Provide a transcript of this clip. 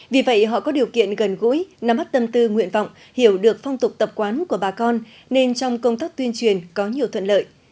vì vậy họ có điều kiện gần gũi nắm bắt tâm tư nguyện vọng hiểu được phong tục tập quán của bà con nên trong công tác tuyên truyền có nhiều thuận lợi